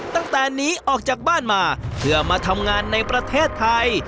ตั้งแต่หนีออกจากบ้านมาเพื่อมาทำงานในประเทศไทย